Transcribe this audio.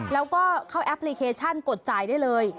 แล้วก็เข้าแอปพลิเคชันกดจ่ายได้เลย